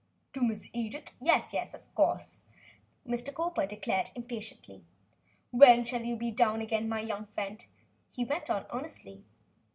"To Miss Edith? Yes, yes, of course," Mr. Cowper declared, impatiently. "When shall you be down again, my young friend?" he went on earnestly.